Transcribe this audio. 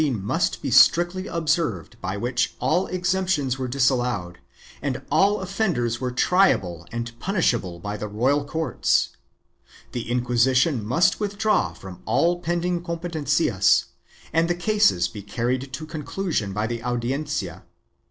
Ill] BEARING ARMS 409 1613 must be strictly observed by which all exemptions were disallowed and offenders were triable and punishable by the royal courts; the Inquisition must withdraw from all pending competencias and the cases be carried to conclusion by the Audiencia.